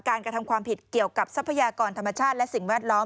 กระทำความผิดเกี่ยวกับทรัพยากรธรรมชาติและสิ่งแวดล้อม